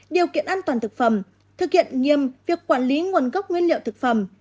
điều kiện an toàn thực phẩm thực hiện nghiêm việc quản lý nguồn gốc nguyên liệu thực phẩm